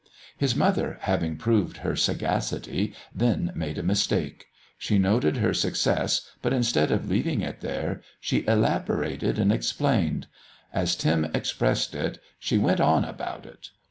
His mother, having proved her sagacity, then made a mistake. She noted her success, but instead of leaving it there, she elaborated and explained. As Tim expressed it she "went on about it."